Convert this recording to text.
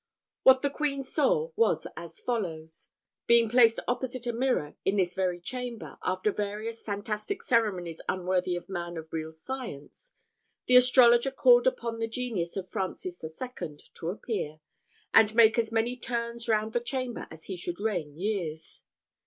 What the queen saw was as follows: being placed opposite a mirror, in this very chamber, after various fantastic ceremonies unworthy of a man of real science, the astrologer called upon the genius of Francis II. to appear, and make as many turns round the chamber as he should reign years.